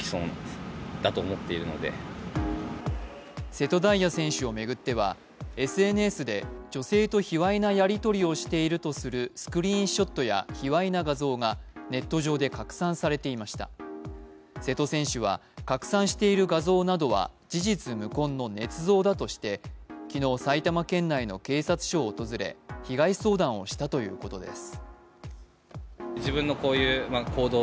瀬戸大也選手を巡っては、ＳＮＳで女性と卑わいなやり取りをしているとするスクリーンショットや卑わいな画像がネット上で拡散されていました瀬戸選手は拡散している画像などは事実無根のねつ造だとして昨日、埼玉県内の警察署を訪れ、被害相談をしたということです。